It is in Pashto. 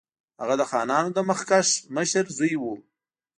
هغه د خانانو د مخکښ مشر زوی وو.